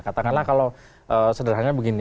katakanlah kalau sederhana begini